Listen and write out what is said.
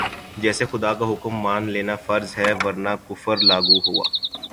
جیسے خدا کا حکم مان لینا فرض ہے ورنہ کفر لاگو ہوا